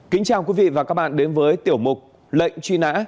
kính chào quý vị và các bạn đến với tiểu mục lệnh truy nã